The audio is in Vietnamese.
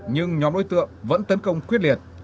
nhưng nhóm đối tượng vẫn tấn công quyết liệt